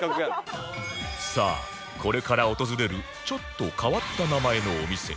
さあこれから訪れるちょっと変わった名前のお店